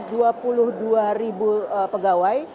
dan mengawasi dua puluh dua ribu pegawai